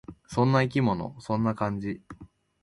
そんな生き物。そんな感じ。